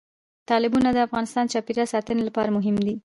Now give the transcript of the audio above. تالابونه د افغانستان د چاپیریال ساتنې لپاره مهم دي.